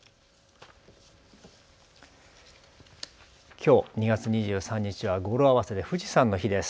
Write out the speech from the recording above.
きょう２月２３日は語呂合わせで富士山の日です。